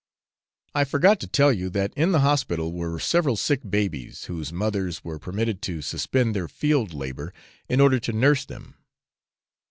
I forgot to tell you that in the hospital were several sick babies, whose mothers were permitted to suspend their field labour, in order to nurse them.